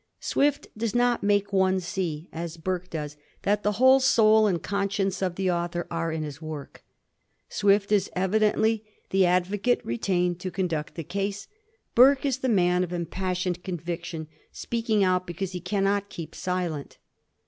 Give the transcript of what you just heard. Swift does not make one see, as Burke does, that the whole soul and conscience of the author are in his work. Swift is evidently the advocate retained to conduct the case ; Burke is the man oT impassioned conviction, speaking out because he cannot keep silent.